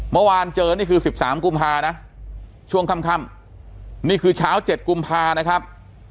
เมื่อวานเจอนี่คือ๑๓กุมภานะช่วงค่ำนี่คือเช้า๗กุมภานะครับ